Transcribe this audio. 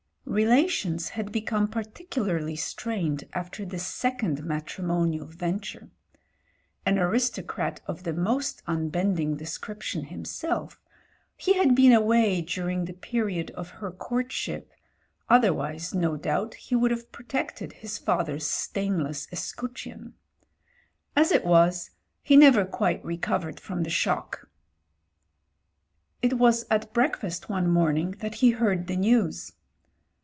Relations had become particularly strained after this second matrimonial venture. An aristocrat of the most unbending description himself, he had been away during the period of her courtship — otherwise, no doubt, he would have protected his father's stainless 311 212 MEN, WOMEN AND GUNS escutcheon. As it was, he never quite recovered from the shock. It was at breakfast one morning that he heard the news.